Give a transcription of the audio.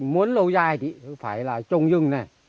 muốn lâu dài thì phải trồng rừng